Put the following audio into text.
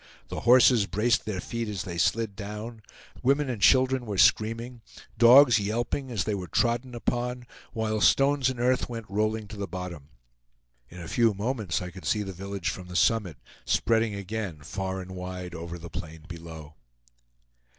The horses braced their feet as they slid down, women and children were screaming, dogs yelping as they were trodden upon, while stones and earth went rolling to the bottom. In a few moments I could see the village from the summit, spreading again far and wide over the plain below.